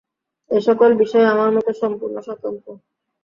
এ-সকল বিষয়ে আমার মত সম্পূর্ণ স্বতন্ত্র।